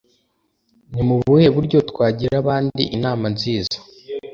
Ni mu buhe buryo twagira abandi inama nziza?